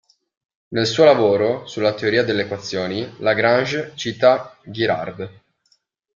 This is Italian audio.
Nel suo lavoro sulla teoria delle equazioni, Lagrange cita Girard.